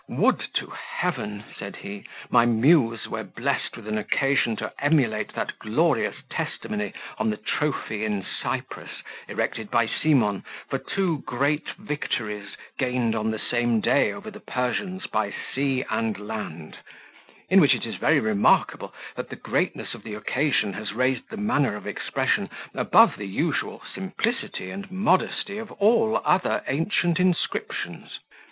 "Would to heaven!" said he, "my muse were blessed with an occasion to emulate that glorious testimony on the trophy in Cyprus, erected by Cimon, for two great victories gained on the same day over the Persians by sea and land; in which it is very remarkable, that the greatness of the occasion has raised the manner of expression above the usual simplicity and modesty of all other ancient inscriptions."